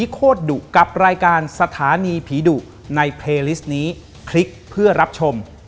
ขอบคุณค่ะฝันดีผีไม่หลอกนะจ๊ะ